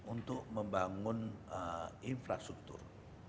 untuk membangun infrastruktur